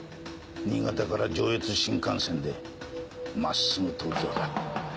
新潟から上越新幹線でまっすぐ東京だ。